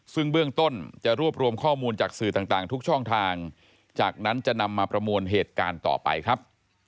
ซึ่งเบื้องต้นจะรวบรวมข้อมูลจากสื่อต่างทุกช่องทางจากนั้นจะนำมาประมวลเหตุการณ์ต่อไปครับ